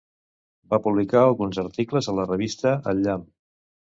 Va publicar alguns articles a la revista El Llamp.